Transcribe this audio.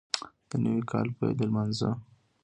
د نوي کال پیل یې لمانځه